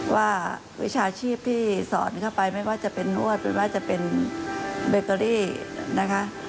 วิชาชีพที่สอนเข้าไปไม่ว่าจะเป็นนวดไม่ว่าจะเป็นเบเกอรี่นะคะ